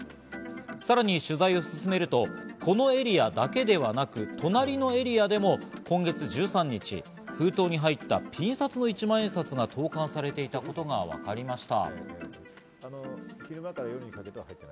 さらに取材を進めると、このエリアだけではなく隣のエリアでも今月１３日、封筒に入ったピン札の１万円札が投函されていたことがわかりました。